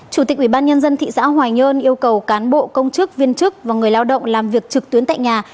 chủ tịch ubnd thị xã hoài nhơn yêu cầu cán bộ công chức viên chức và người lao động làm việc trực tuyến tại nhà